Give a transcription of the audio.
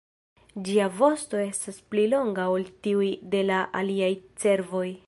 Ĝia vosto estas pli longa ol tiuj de la aliaj cervoj.